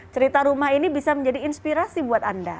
cerita rumah ini bisa menjadi inspirasi buat anda